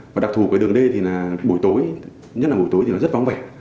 và đặc thù của đường d thì là buổi tối nhất là buổi tối thì nó rất vóng vẻ